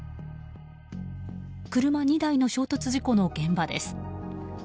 車２台の衝突事故の現場です。